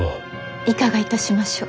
いかがいたしましょう？